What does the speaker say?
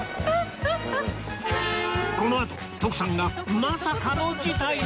このあと徳さんがまさかの事態に！